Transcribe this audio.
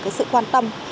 cái sự quan tâm